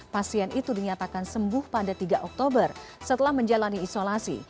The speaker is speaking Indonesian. pasien itu dinyatakan sembuh pada tiga oktober setelah menjalani isolasi